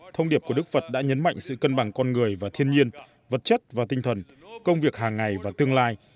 thông điệp của đức phật đã nhấn mạnh sự cân bằng con người và thiên nhiên vật chất và tinh thần công việc hàng ngày và tương lai